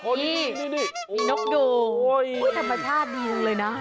โอ้นี่นี่น๊อคดูธรรมชาติดีเลยนะ